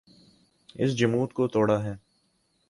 اس جمود کو توڑا ہے۔